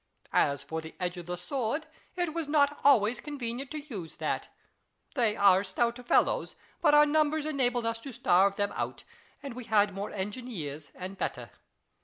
As for the edge of the sword, it was not always convenient to use that : they are stout fellows ; but our numbers enabled us to starve them out, and we had more engineers and better.